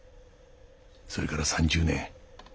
それから３０年。